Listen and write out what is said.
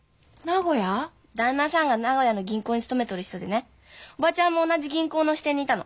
旦那さんが名古屋の銀行に勤めとる人でね叔母ちゃんも同じ銀行の支店にいたの。